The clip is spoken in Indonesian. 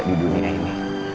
di dunia ini